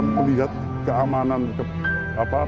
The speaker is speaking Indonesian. melihat keamanan keberadaan dan kebahagiaan